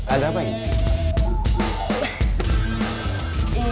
ada apa ini